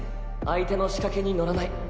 相手の仕掛けに乗らない。